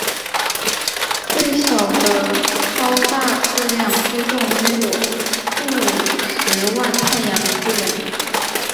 最小的超大质量黑洞约有数十万太阳质量。